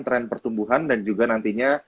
tren pertumbuhan dan juga nantinya